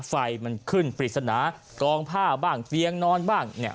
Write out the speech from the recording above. ไฟมันขึ้นปริศนากองผ้าบ้างเตียงนอนบ้างเนี่ย